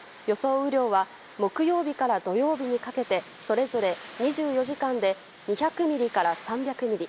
雨量は木曜日から日曜日にかけてそれぞれ多いところで２００ミリから３００ミリ。